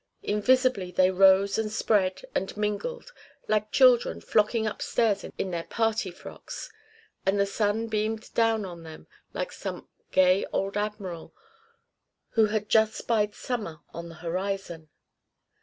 Invisibly they rose and spread and mingled, like children flocking upstairs in their party frocks; and the sun beamed down on them like some gay old admiral who had just spied summer on the horizon.